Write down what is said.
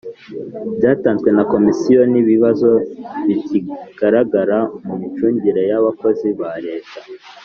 byatanzwe na Komisiyo n ibibazo bikigaragara mu micungire y Abakozi ba Leta